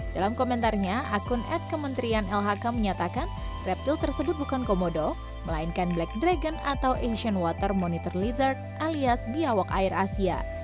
dalam komentarnya akun ad kementerian lhk menyatakan reptil tersebut bukan komodo melainkan black dragon atau asian water monitor dessert alias biawak air asia